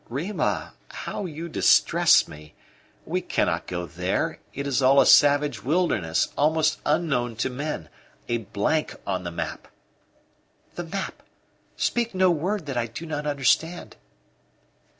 "Rima, how you distress me! We cannot go there. It is all a savage wilderness, almost unknown to men a blank on the map " "The map? speak no word that I do not understand."